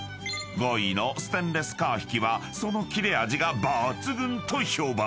［５位のステンレス皮引きはその切れ味が抜群と評判］